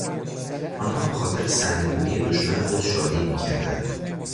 آنها بخاطر سرنگونی دشمن خود شادی میکردند.